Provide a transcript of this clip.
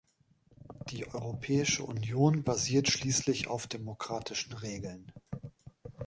Die Europäische Union basiert schließlich auf demokratischen Regeln.